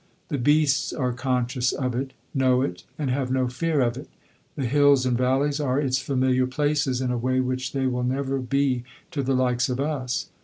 The beasts are conscious of it, know it and have no fear of it; the hills and valleys are its familiar places in a way which they will never be to the likes of us.